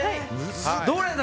どれだ？